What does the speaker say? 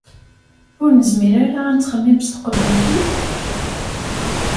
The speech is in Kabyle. Ur nezmir ara ad nettxemmim s teqbaylit?